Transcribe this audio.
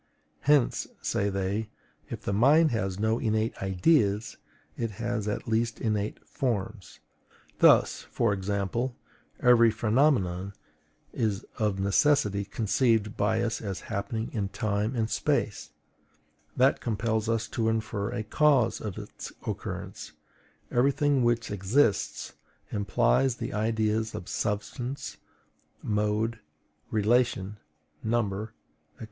Hence, say they, if the mind has no innate IDEAS, it has at least innate FORMS. Thus, for example, every phenomenon is of necessity conceived by us as happening in TIME and SPACE, that compels us to infer a CAUSE of its occurrence; every thing which exists implies the ideas of SUBSTANCE, MODE, RELATION, NUMBER, &C.